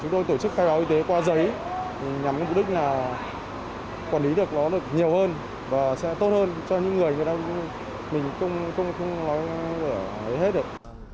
chúng tôi tổ chức khai báo y tế qua giấy nhằm với mục đích là quản lý được nó được nhiều hơn và sẽ tốt hơn cho những người mình không nói ở hết được